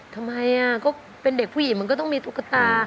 ทำไมก็เป็นเด็กผู้หญิงมันก็ต้องมีตุ๊กตา